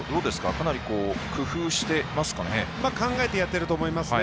かなり工夫していますかね。